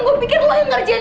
gue pikir lo yang ngerjain